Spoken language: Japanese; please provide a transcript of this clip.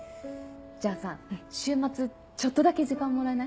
じゃあさ週末ちょっとだけ時間もらえない？